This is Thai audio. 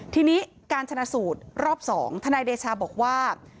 ทีนี้การชนะสูตรรอบ๒ทนายเดชาบอกว่า